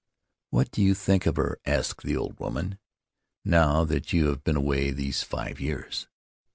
'What do you think of her," asked the old woman, "now that you have been away these five years?"